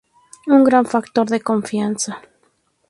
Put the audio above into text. Un gran factor de confianza.